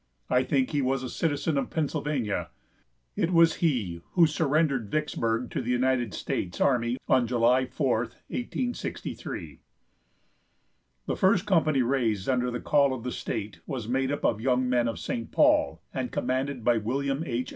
I think he was a citizen of Pennsylvania. It was he who surrendered Vicksburg to the United States army on July 4, 1863. The first company raised under the call of the state was made up of young men of St. Paul, and commanded by William H.